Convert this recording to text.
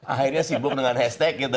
akhirnya sibuk dengan hashtag gitu